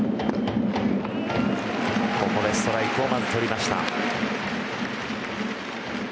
ここでストライクをまず取りました。